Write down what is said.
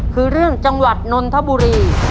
คือเรื่องจังหวัดนนทบุรี